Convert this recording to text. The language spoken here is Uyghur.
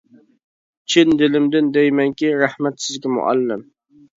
چىن دىلىمدىن دەيمەنكى، رەھمەت سىزگە مۇئەللىم.